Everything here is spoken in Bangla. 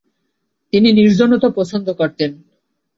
তিনি নির্জনতা পছন্দ করতেন।